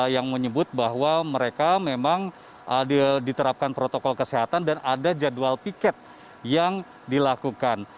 yang menyebut bahwa mereka memang diterapkan protokol kesehatan dan ada jadwal piket yang dilakukan